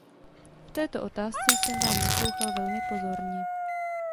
V této otázce jsem vám naslouchal velmi pozorně.